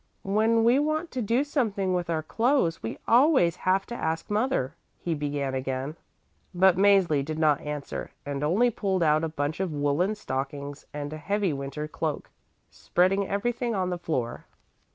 "When we want to do something with our clothes, we always have to ask mother," he began again. But Mäzli did not answer and only pulled out a bunch of woolen stockings and a heavy winter cloak, spreading everything on the floor.